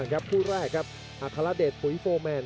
กันต่อแพทย์จินดอร์